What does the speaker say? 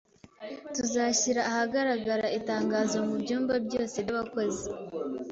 Tuzashyira ahagaragara itangazo mubyumba byose byabakozi